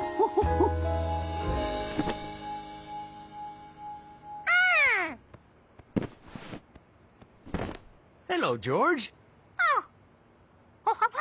ホハハハ？